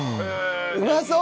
うまそう！